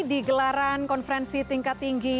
di gelaran konferensi tingkat tinggi